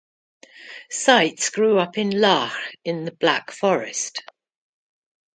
Seitz grew up in Lahr in the Black Forest.